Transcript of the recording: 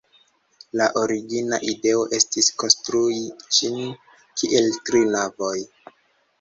La origina ideo estis konstrui ĝin kiel tri navoj.